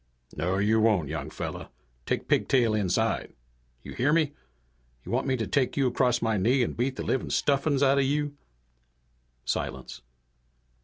"No you won't, young fella! Take Pigtail inside. You hear me? You want me to take you across my knee and beat the livin' stuffings out of you?" Silence.